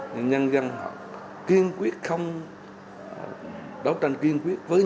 nhân dân họ kiên quyết không đấu tranh kiên quyết